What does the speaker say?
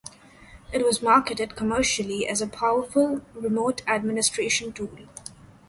It was marketed commercially as a powerful remote administration tool.